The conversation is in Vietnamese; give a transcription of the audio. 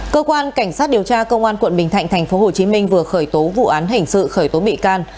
cơ quan cảnh sát điều tra công an quận bình thạnh thành phố hồ chí minh vừa khởi tố vụ án hành sự khởi tố bị can